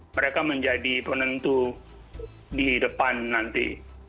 mereka menjadi penentu di depan nanti